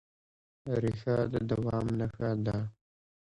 ریښه د دوام نښه ده.